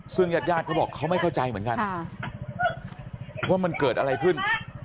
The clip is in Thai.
ซึ่งญาติญาติเขาบอกเขาไม่เข้าใจเหมือนกันว่ามันเกิดอะไรขึ้น